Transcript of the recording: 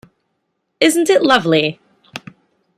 Isn’t it lovely?